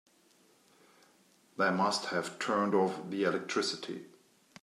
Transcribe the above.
They must have turned off the electricity.